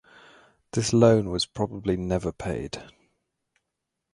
This loan was probably never paid.